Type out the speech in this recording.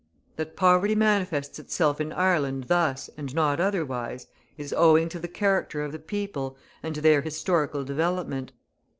That poverty manifests itself in Ireland thus and not otherwise, is owing to the character of the people, and to their historical development.